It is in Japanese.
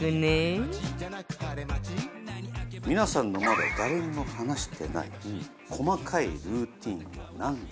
皆さんのまだ誰にも話してない細かいルーティンはなんですか？という。